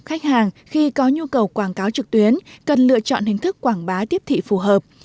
khách hàng khi có nhu cầu quảng cáo trực tuyến cần lựa chọn hình thức quảng bá tiếp thị phù hợp